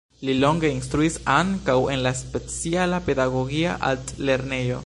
Li longe instruis ankaŭ en la speciala pedagogia altlernejo.